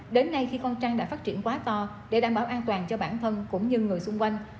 đến nay khi con trăng đã phát triển quá to để đảm bảo an toàn cho bản thân cũng như người xung quanh